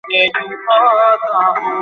অতিসত্বর আপনার কার্যক্রম স্থগিত করুন!